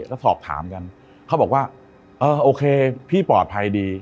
แล้วสอบถามกันเขาบอกว่าเออโอเคพี่ปลอดภัยดี